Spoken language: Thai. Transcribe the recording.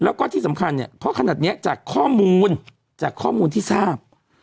แล้วก็ที่สำคัญเนี่ยเพราะขนาดนี้จากข้อมูลจากข้อมูลที่ทราบ